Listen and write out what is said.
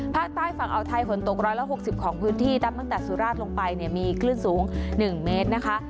ภาคใดฝั่งออไทยฝนตกรอยละ๖๐ของพื้นที่ตั้มตั้งจากสุราชรับลงไปเนี่ยมีคลื่นสูง๑เมตรนะคะ